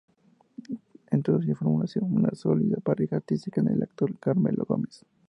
En todas ellas forma una sólida pareja artística con el actor Carmelo Gómez.